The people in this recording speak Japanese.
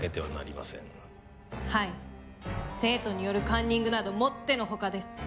生徒によるカンニングなどもっての外です。